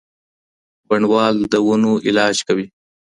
بڼوال د ونو علاج کوي.